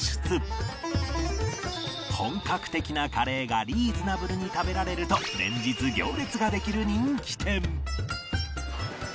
本格的なカレーがリーズナブルに食べられると連日行列ができる人気店